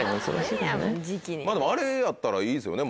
まぁでもあれやったらいいですよね。